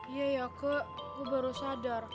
iya ya kak gue baru sadar